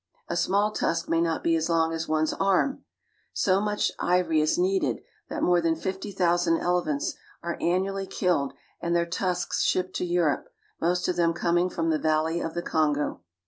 L small tusk may not e so long as one's arm, ' much ivory is needed that more than fifty thousand lephants are annually killed and their tusks shipped to. Europe, most of them coming from the valley of th* Kongo.